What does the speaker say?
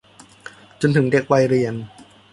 จนถึงเด็กวัยเรียน